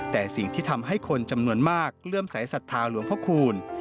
แต่สิ่งที่ทำให้คนจำนวนมากเลื่อมสายศรัทธาหลวงพระคูณ